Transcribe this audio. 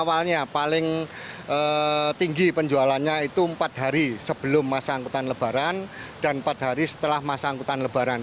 awalnya paling tinggi penjualannya itu empat hari sebelum masa angkutan lebaran dan empat hari setelah masa angkutan lebaran